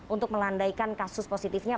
untuk melandaikan kasus positifnya